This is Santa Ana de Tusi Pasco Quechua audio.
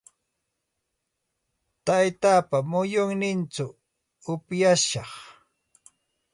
Taytaapa muyunninchaw upyashaq.